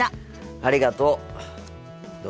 ありがとう。